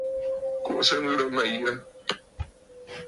Kùʼùsə ŋghɨrə mə̀ yə̂!